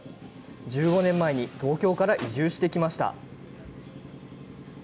１５年前に東京から移住してきました。